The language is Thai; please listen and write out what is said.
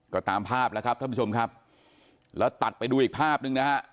ก็ตามภาพแล้วครับท่านผู้ชมครับแล้วตัดไปดูอีกภาพหนึ่งนะฮะ